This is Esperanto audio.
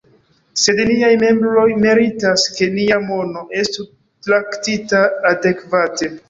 Sed niaj membroj meritas, ke nia mono estu traktita adekvate.